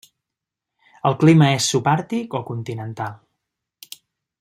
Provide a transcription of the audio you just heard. El clima és subàrtic o continental.